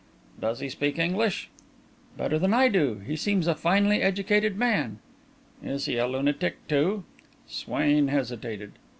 "Does he speak English?" "Better than I do. He seems a finely educated man." "Is he a lunatic, too?" Swain hesitated.